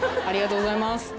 ありがとうございます。